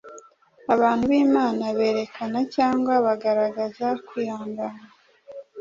abantu b’Imana berekana cyangwa bagaragaza kwihangana